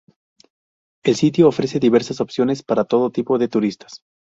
El sitio ofrece diversas opciones para todo tipo de turistas.